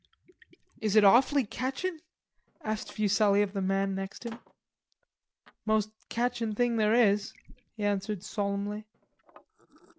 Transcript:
"Is it awfully catchin'?" asked Fuselli of the man next him. "Most catchin' thing there is," he answered solemnly.